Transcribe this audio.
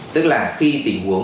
tức là khi tình huống khẩn trọng